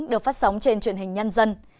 được phát sóng trên truyền hình nhân dân